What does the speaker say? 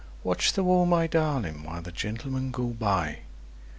Watch the wall, my darling, while the Gentlemen go by!